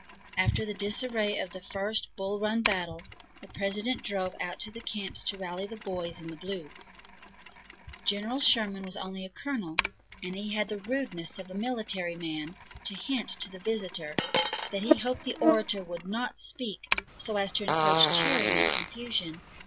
After the disarray of the first Bull Run battle, the President drove out to the camps to rally the "boys in the blues." General Sherman was only a colonel, and he had the rudeness of a military man to hint to the visitor that he hoped the orator would not speak so as to encourage cheering and confusion.